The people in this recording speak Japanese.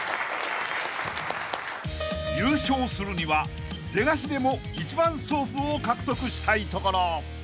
［優勝するには是が非でも一番ソープを獲得したいところ］